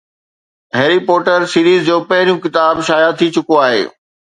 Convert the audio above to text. هيري Potter series جو پهريون ڪتاب شايع ٿي چڪو آهي